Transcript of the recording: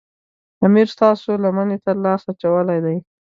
امیر ستاسو لمنې ته لاس اچولی دی.